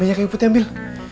banyak kayu putih ambil